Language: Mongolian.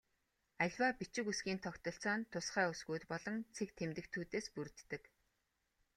Аливаа бичиг үсгийн тогтолцоо нь тусгай үсгүүд болон цэг тэмдэгтүүдээс бүрддэг.